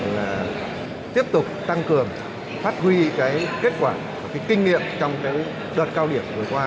và tiếp tục tăng cường phát huy kết quả kinh nghiệm trong đợt cao điểm vừa qua